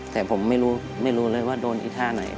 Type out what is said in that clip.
แต่ผมไม่รู้ไม่รู้เลยว่าโดนอีท่าไหน